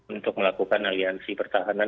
untuk melakukan aliansi pertahanan